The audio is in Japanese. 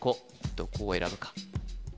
どこを選ぶか？